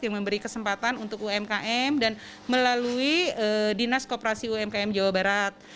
yang memberi kesempatan untuk umkm dan melalui dinas koperasi umkm jawa barat